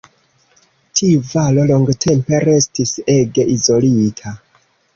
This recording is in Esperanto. Tiu valo longtempe restis ege izolita.